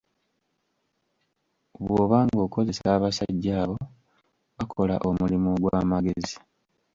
Bw'oba ng'okozesa abasajja abo, bakola omulimu ogw'amagezi.